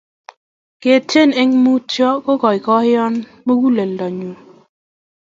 ketien eng mutio kokaikaiyo mukuleldo nyuu